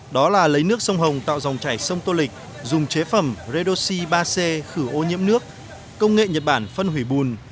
đó là lấy nước sông hồng tạo dòng chảy sông tô lịch dùng chế phẩm redoxi ba c khử ô nhiễm nước công nghệ nhật bản phân hủy bùn